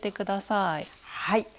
はい。